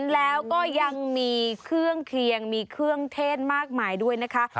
แล้วก็ยังมีเครื่องเคียงมีเครื่องเทศมากมายด้วยนะคะ